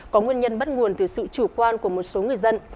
có nguyên nhân bắt nguồn từ sự chủ quan của một số người dân